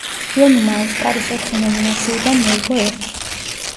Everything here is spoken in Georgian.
ფილმმა ოსკარის ოთხი ნომინაციიდან მოიგო ერთი.